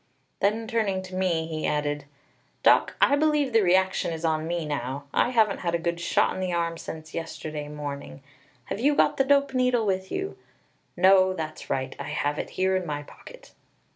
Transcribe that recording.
Then turning to me, he added: "Doc, I believe the reaction is on me now. I haven't had a shot in the arm since yesterday morning. Have you got the dope needle with you? No, that's right, I have it here in my pocket."